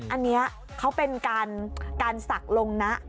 อันนี้เขาเป็นการศักดิ์ลงนะ